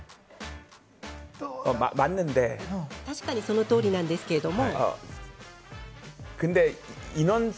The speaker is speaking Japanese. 確かに、その通りなんですけれども。